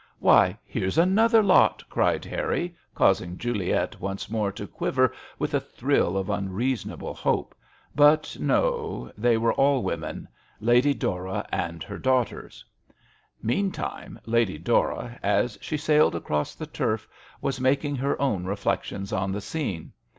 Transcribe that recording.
"Why, here's another lot I" cried Harry, causing Juliet once more to quiver with a thrill of unreasonable hope ; but no, they were all women: Lady Dora and her daughters. 1 88 MISS AWDREY AT HOMfi. Meantime Lady Dora, as she sailed across the turf, was making her own reflections on the scene.